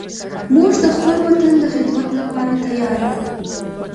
موږ د خپل وطن د خدمت لپاره تیار یو